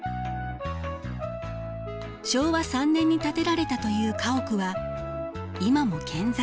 昭和３年に建てられたという家屋は今も健在。